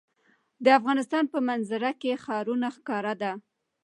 د افغانستان په منظره کې ښارونه ښکاره ده.